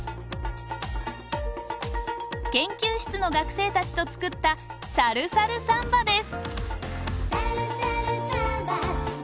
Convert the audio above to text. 研究室の学生たちと作った「さるさるサンバ！」です。